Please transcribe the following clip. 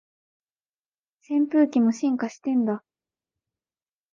扇風機も進化してんだ